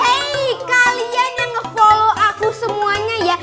hei kalian yang nge follow aku semuanya ya